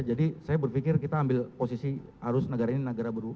jadi saya berpikir kita ambil posisi harus negara ini negara beru